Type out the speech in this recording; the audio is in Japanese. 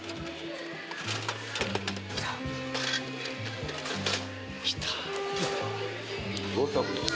来た。来た。